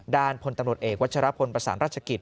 พลตำรวจเอกวัชรพลประสานราชกิจ